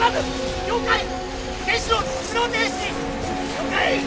了解！